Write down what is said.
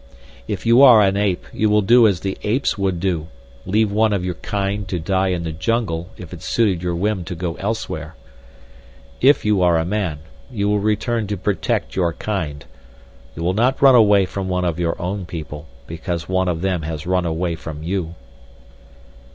"If you are an ape you will do as the apes would do—leave one of your kind to die in the jungle if it suited your whim to go elsewhere. "If you are a man, you will return to protect your kind. You will not run away from one of your own people, because one of them has run away from you."